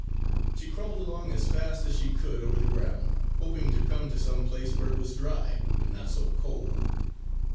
She crawled along as fast as she could over the ground, hoping to come to some place where it was dry and not so cold.